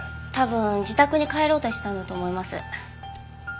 多分自宅に帰ろうとしたんだと思います。